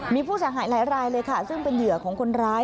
มีผู้เสียหายหลายรายเลยค่ะซึ่งเป็นเหยื่อของคนร้าย